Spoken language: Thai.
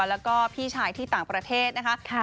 แล้วก็พี่ชายที่ต่างประเทศนะคะ